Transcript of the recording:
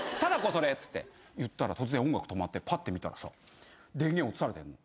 それって言ったら突然音楽止まってパッて見たらさ電源落とされてんの。